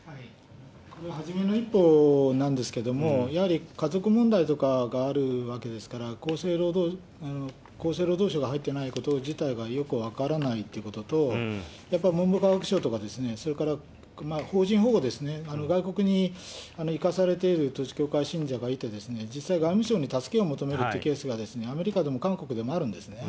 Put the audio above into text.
これ初めの一歩なんですけども、やはり家族問題とかがあるわけですから、厚生労働省が入ってないこと自体がよく分からないということと、やっぱり文部科学省とか、それから邦人保護ですね、外国に行かされている統一教会信者がいて、実際外務省に助けを求めるというケースが、アメリカでも韓国でもあるんですね。